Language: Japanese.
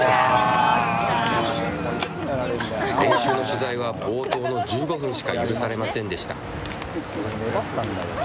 練習の取材は冒頭の１５分しか許されませんでした。